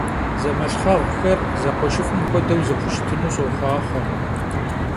Zemalhxheğuxer zekhueşşıf'ım xuedeu zexuşıtınxeu soxhuaxhue!